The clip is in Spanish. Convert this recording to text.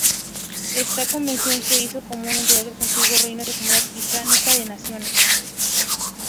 Esta convención se hizo común en otros antiguos reinos de Comunidad Británica de Naciones.